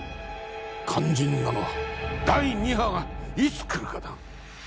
肝心なのは第二波がいつ来るかだ